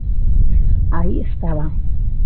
Aí estaba.